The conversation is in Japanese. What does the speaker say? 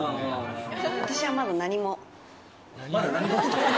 私はまだ、何も。